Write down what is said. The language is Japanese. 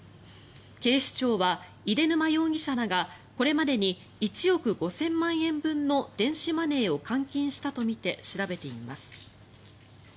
警視庁は出沼容疑者らがこれまでに１億５０００万円分の電子マネーを換金したとみて調べています。